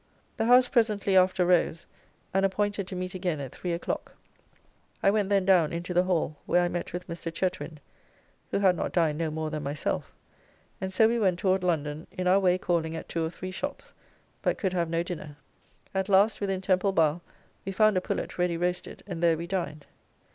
The House presently after rose, and appointed to meet again at three o'clock. I went then down into the Hall, where I met with Mr. Chetwind, who had not dined no more than myself, and so we went toward London, in our way calling at two or three shops, but could have no dinner. At last, within Temple Bar, we found a pullet ready roasted, and there we dined.